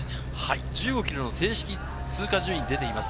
１５ｋｍの正式通過順位が出ています。